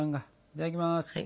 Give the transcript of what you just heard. いただきます。